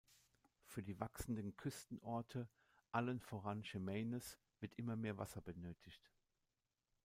Für die wachsenden Küstenorte, allen voran Chemainus, wird immer mehr Wasser benötigt.